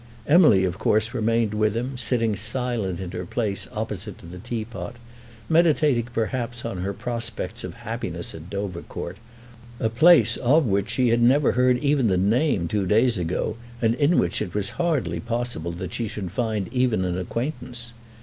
Emily of course remained with him, sitting silent in her place opposite to the teapot, meditating perhaps on her prospects of happiness at Dovercourt, a place of which she had never heard even the name two days ago, and in which it was hardly possible that she should find even an acquaintance.